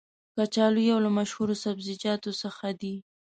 کچالو یو له مشهورو سبزیجاتو څخه دی.